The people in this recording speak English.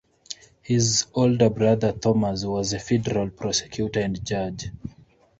His older brother Thomas was a federal prosecutor and judge.